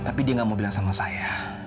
tapi dia nggak mau bilang sama saya